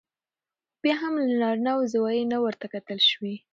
خو بيا هم له نارينه زاويې نه ورته کتل شوي